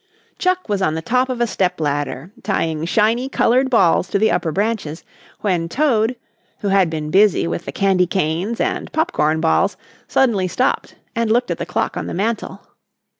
Chuck was on the top of a stepladder, tying shiny colored balls to the upper branches, when Toad, who had been busy with candy canes and popcorn balls, suddenly stopped and looked at the clock on the mantel.